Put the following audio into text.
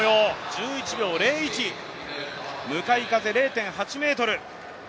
１１秒０１向かい風０．８メートル。